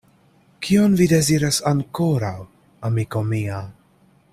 Kion vi deziras ankoraŭ, amiko mia?